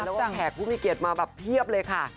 แล้วก็แขกผู้มีเกียรติมาแบบเพียบเลยค่ะ